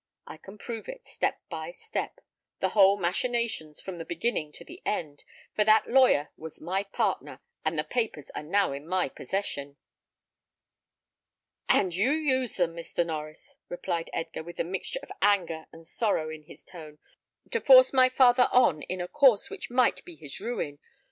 I can prove it step by step, the whole machinations from the beginning to the end, for that lawyer was my partner, and the papers are now in my possession." "And you used them, Mr. Norries," replied Edgar, with a mixture of anger and sorrow in his tone, "to force my father on in a course which might be his ruin.